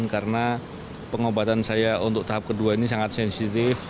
karena pengobatan saya untuk tahap kedua ini sangat sensitif